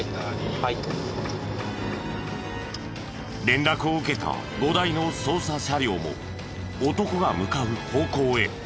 連絡を受けた５台の捜査車両も男が向かう方向へ。